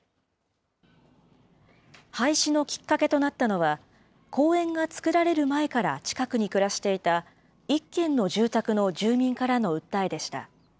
廃止のきっかけとなったのは、公園が作られる前から近くに暮らしていた、１軒の住宅の住民からの訴えでした。